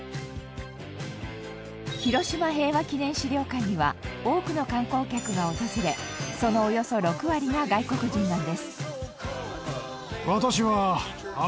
広島平和記念資料館には多くの観光客が訪れそのおよそ６割が外国人なんです。